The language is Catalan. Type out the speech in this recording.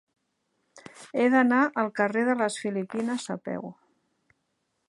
He d'anar al carrer de les Filipines a peu.